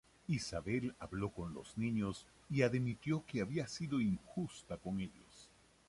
Isabel habló con los niños y admitió que había sido injusta con ellos.